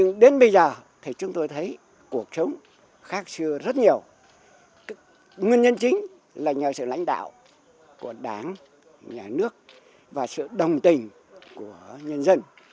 nên chính là nhờ sự lãnh đạo của đảng nhà nước và sự đồng tình của nhân dân